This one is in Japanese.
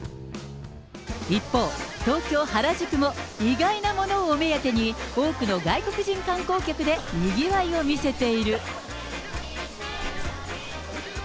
一方、東京・原宿も、意外なものをお目当てに、多くの外国人観光客でにぎわいを見せている。